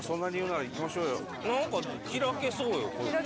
なんか開けそうよこっち。